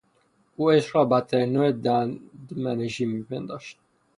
او عشق را بدترین نوع ددمنشی میپنداشت.